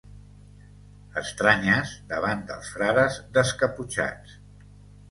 Estranyes davant dels frares descaputxats.